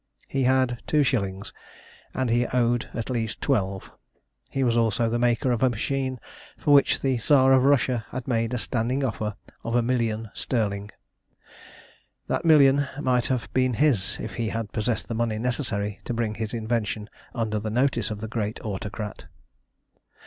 He had two shillings, and he owed at least twelve. He was also the maker of a machine for which the Tsar of Russia had made a standing offer of a million sterling. That million might have been his if he had possessed the money necessary to bring his invention under the notice of the great Autocrat.